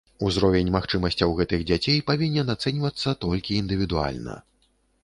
Узровень магчымасцяў гэтых дзяцей павінен ацэньвацца толькі індывідуальна.